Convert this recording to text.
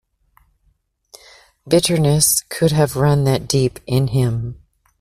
Bitterness could have run that deep in him.